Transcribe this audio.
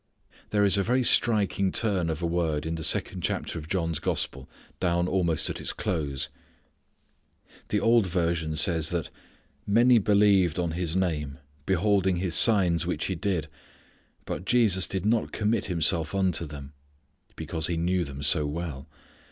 There is a very striking turn of a word in the second chapter of John's gospel down almost at its close. The old version says that "Many believed on His name beholding His signs which He did, but Jesus did not commit Himself unto them" because He knew them so well.